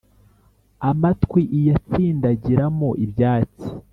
Amatwi iyatsindagira mo ibyatsi